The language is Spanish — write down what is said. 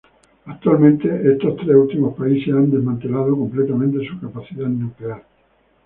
Actualmente, estos tres últimos países han desmantelado completamente su capacidad nuclear.